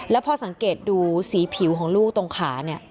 แล้วพอสังเกตดูสีผิวของลูกตรงขาเนี่ย